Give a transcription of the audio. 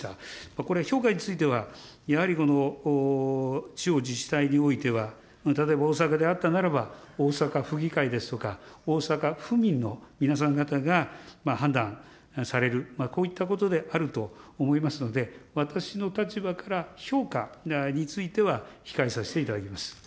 これ、評価についてはやはりこの地方自治体においては例えば大阪であったならば、大阪府議会ですとか、大阪府民の皆さん方が判断される、こういったことであると思いますので、私の立場から評価については控えさせていただきます。